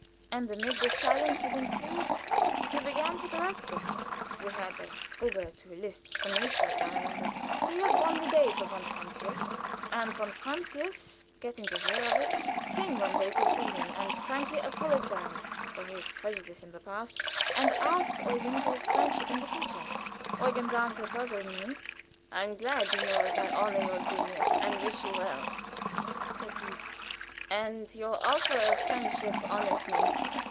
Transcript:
And amid the silence that ensued, he began to direct us we had a probe to Liszt's "Prometheus," I remember. He had won the day for von Francius, and von Francius, getting to hear of it, came one day to see him and frankly apologized for his prejudice in the past, and asked Eugen for his friendship in the future. Eugen's answer puzzled me. "I am glad, you know, that I honor your genius, and wish you well," said he, "and your offer of friendship honors me.